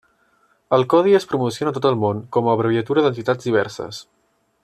El codi es promociona a tot el món, com a abreviatura d'entitats diverses.